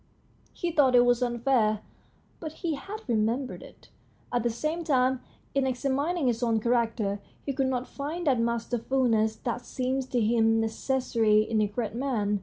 He thought it was unfair, but he had remembered it. At the same time, in examin ing his own character, he could not find that masterfulness that seemed to him necessary in a great man.